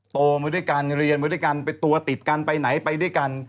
โตมาด้วยกันเรียนมาด้วยกันเป็นตัวติดกันไปไหนไปด้วยกัน